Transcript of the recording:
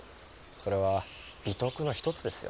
それは美徳の一つですよ。